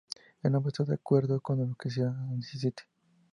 El hombre está de acuerdo con lo que sea que necesite.